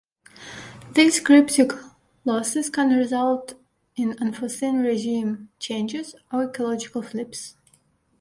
These cryptic losses can result in unforeseen regime changes or ecological flips.